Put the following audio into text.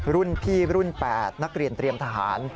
รุ่นพี่รุ่น๘นักเรียนเตรียมทหาร